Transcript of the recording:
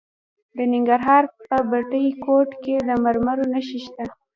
د ننګرهار په بټي کوټ کې د مرمرو نښې شته.